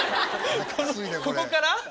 ここから？